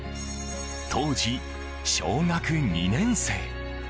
当時、小学２年生。